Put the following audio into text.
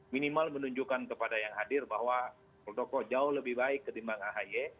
minimal menunjukkan kepada yang hadir bahwa protokol jauh lebih baik ketimbang ahy